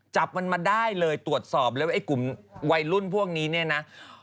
จับมันมาได้เลยตรวจสอบเลยว่าไอ้กลุ่มวัยรุ่นพวกนี้เนี่ยนะ